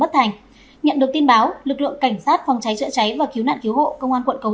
nhận được tin báo lực lượng cảnh sát phòng cháy chữa cháy và cứu nạn cứu hộ công an quận cầu